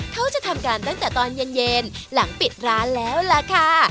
เขาจะทำการตั้งแต่ตอนเย็นหลังปิดร้านแล้วล่ะค่ะ